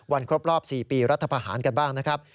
ครบรอบ๔ปีรัฐพาหารกันบ้างนะครับ